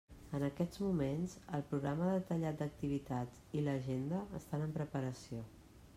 En aquests moments el programa detallat d'activitats i l'agenda estan en preparació.